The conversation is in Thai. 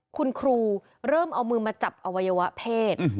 คุณครูเริ่มเอามือมาจับอวัยวะเพศ